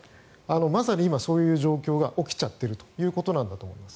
まさに今そういう状況が起きちゃっているということなんだと思います。